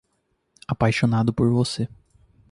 Apaixonado por você